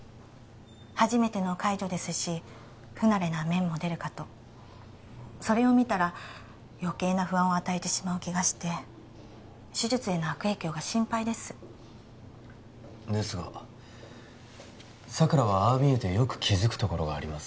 初めての介助ですし不慣れな面も出るかとそれを見たらよけいな不安を与えてしまう気がして手術への悪影響が心配ですですが佐倉はああ見えてよく気づくところがあります